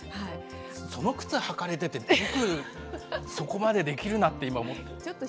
その靴履かれてて、ずいぶんそこまでできるなって思った。